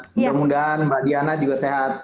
semoga moga mbak diana juga sehat